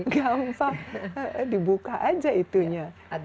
gampang dibuka aja itunya